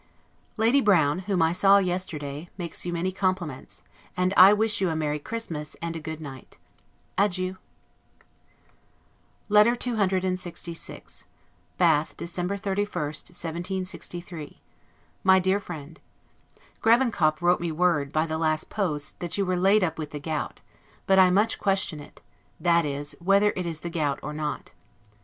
Lady Brown, whom I saw yesterday, makes you many compliments; and I wish you a merry Christmas, and a good night. Adieu! LETTER CCLXVI BATH, December 31, 1763 MY DEAR FRIEND: Gravenkop wrote me word, by the last post, that you were laid up with the gout: but I much question it, that is, whether it is the gout or not.